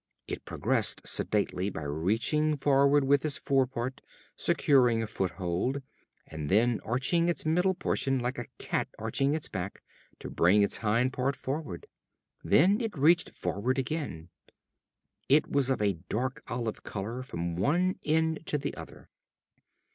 It progressed sedately by reaching forward with its fore part, securing a foothold, and then arching its middle portion like a cat arching its back, to bring its hind part forward. Then it reached forward again. It was of a dark olive color from one end to the other.